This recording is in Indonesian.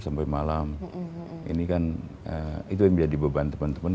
itu yang menjadi beban teman teman